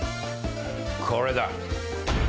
これだ。